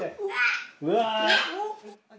うわ。